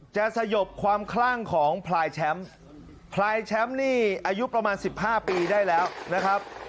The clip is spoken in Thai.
สยบความคลั่งของพลายแชมป์พลายแชมป์นี่อายุประมาณ๑๕ปีได้แล้วนะครับ